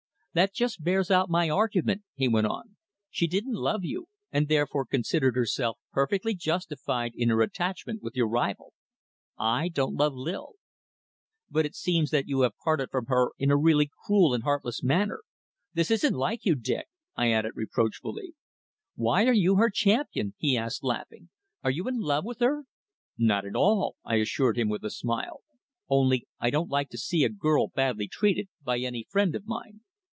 "That just bears out my argument," he went on. "She didn't love you, and therefore considered herself perfectly justified in her attachment with your rival. I don't love Lil." "But it seems that you have parted from her in a really cruel and heartless manner. This isn't like you, Dick," I added reproachfully. "Why are you her champion?" he asked, laughing. "Are you in love with her?" "Not at all," I assured him with a smile. "Only I don't like to see a girl badly treated by any friend of mine."